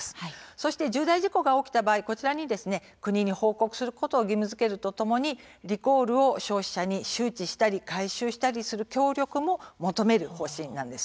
そして重大事故が起きた場合こちらに国に報告することを義務づけるとともにリコールを消費者に周知したり回収したりする協力も求める方針なんです。